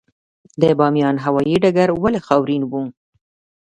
د بامیان هوايي ډګر ولې خاورین و؟